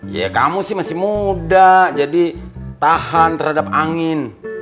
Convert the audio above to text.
ya kamu sih masih muda jadi tahan terhadap angin